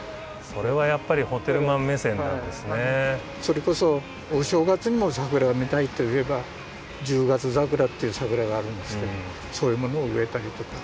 これはやっぱりそれこそお正月にも桜が見たいといえば十月桜っていう桜があるんですけどそういうものを植えたりとか。